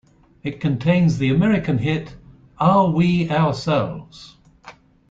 It contains the American hit Are We Ourselves?